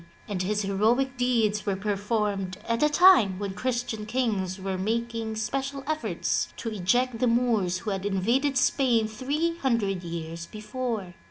and his heroic deeds were performed at a time when Christian kings were making special efforts to eject the Moors who had invaded Spain three hundred years before.